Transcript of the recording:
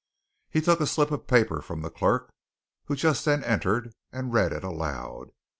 He took a slip of paper from the clerk who just then entered, and read it aloud.